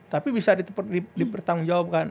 tapi bisa dipertanggung jawabkan